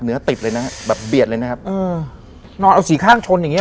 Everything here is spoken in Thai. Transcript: ติดเลยนะฮะแบบเบียดเลยนะครับเออนอนเอาสี่ข้างชนอย่างเงี